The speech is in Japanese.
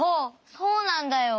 そうなんだよ。